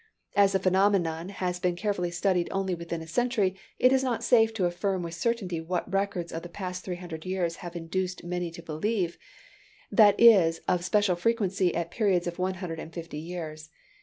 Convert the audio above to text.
As the phenomenon has been carefully studied only within a century, it is not safe to affirm with certainty what records of the past three hundred years have induced many to believe; that it is of special frequency at periods of one hundred and fifty years.